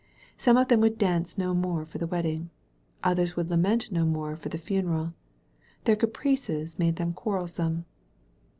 Some of them would dance no more for the wedding; others would lament no more for the funeral. Their caprices made them quarrelsome.